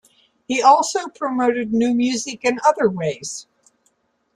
He also promoted new music in other ways.